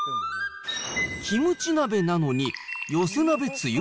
キムチ鍋なのに、寄せ鍋つゆ？